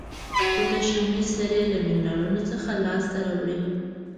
پوتاشیمي سرې له منرالونو څخه لاس ته راوړي.